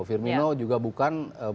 firmino juga bukan pemain